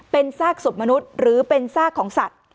เป็นซากศพมนุษย์หรือเป็นซากของสัตว์